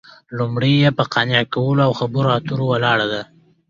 لومړۍ یې په قانع کولو او خبرو اترو ولاړه ده